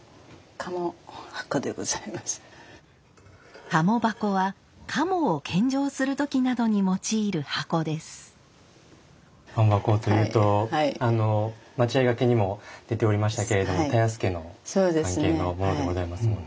鴨箱というと待合掛にも出ておりましたけれども田安家の関係のものでございますもんね。